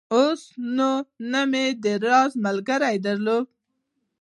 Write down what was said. اوس نو نه مې د راز ملګرى درلود.